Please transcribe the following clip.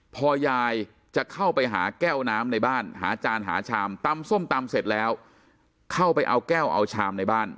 พอยายจะเข้าไปหาแก้วน้ำในบ้านหาจานหาชามตำส้มตำเสร็จแล้วเข้าไปเอาแก้วเอาชามในบ้าน